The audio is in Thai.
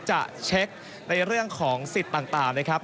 จะเช็คในเรื่องของสิทธิ์ต่างนะครับ